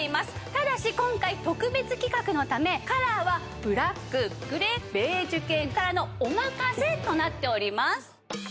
ただし今回特別企画のためカラーはブラックグレーベージュ系からのお任せとなっております。